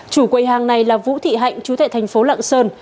chủ quầy hàng này là vũ thị hạnh chú tại thành phố lạng sơn